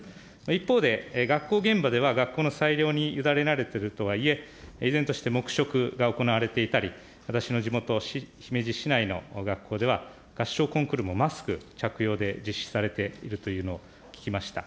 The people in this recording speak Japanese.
一方で、学校現場では学校の裁量に委ねられているとはいえ、依然として黙食が行われていたり、私の地元、姫路市内の学校では、合唱コンクールのマスク着用が実施されているというのを聞きました。